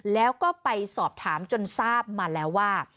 แล้วก็ไปสอบถามจนทราบมาแล้วว่า